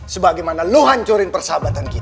sebagaimana kau hancurkan persahabatanmu